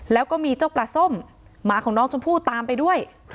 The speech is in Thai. แล้วก็มีเจ้าปลาส้มหมาของน้องชมพู่ตามไปด้วย